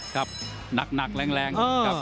ครับนักแรง